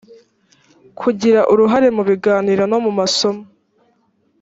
kugira uruhare mu biganiro no mu masomo